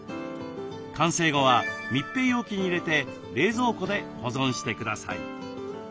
完成後は密閉容器に入れて冷蔵庫で保存してください。